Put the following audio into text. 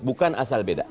bukan asal beda